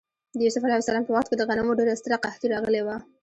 د یوسف ع په وخت کې د غنمو ډېره ستره قحطي راغلې وه.